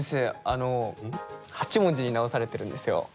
あの８文字に直されてるんですよ。